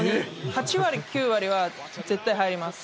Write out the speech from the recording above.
８割、９割は絶対入ります。